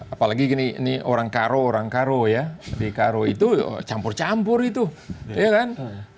apalagi gini ini orang karo orang karo ya di karo itu campur campur itu ya kan